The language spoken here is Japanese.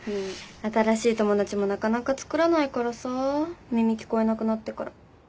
新しい友達もなかなかつくらないからさ耳聞こえなくなってから。